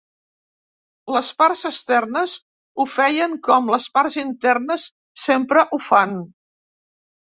Les parts externes ho feien com les parts internes sempre ho fan.